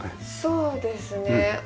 そうですね。